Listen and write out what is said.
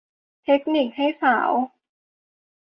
เทคนิคนี้ให้สาว